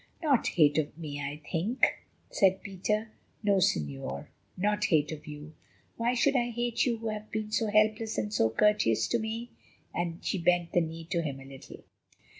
"Not hate of me, I think," said Peter. "No, Señor, not hate of you. Why should I hate you who have been so helpless and so courteous to me?" and she bent the knee to him a little.